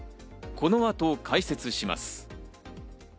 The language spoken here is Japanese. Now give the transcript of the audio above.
この後、解説します。